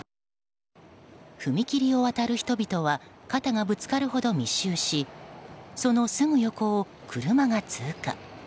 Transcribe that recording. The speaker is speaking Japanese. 踏切を渡る人々は肩がぶつかるほど密集しそのすぐ横を車が通過。